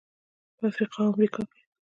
په افریقا او امریکا کې.